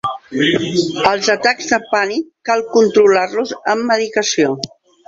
Els atacs de pànic cal controlar-los amb medicació.